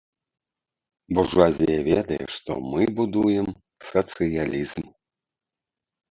Буржуазія ведае, што мы будуем сацыялізм.